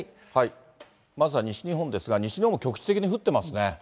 まずは西日本ですが、西日本も局地的に降ってますね。